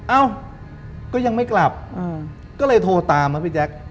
เอ้าก็ยังไม่กลับก็เลยโทรตามครับพี่แจ๊ค